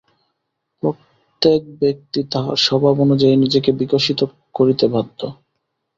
প্রত্যেক ব্যক্তি তাহার স্বভাব অনুযায়ী নিজেকে বিকশিত করিতে বাধ্য।